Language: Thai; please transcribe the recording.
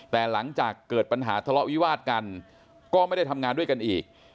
แต่หลังจากเกิดปัญหาทะเลาะวิวาดกันก็ไม่ได้ทำงานด้วยกันอีก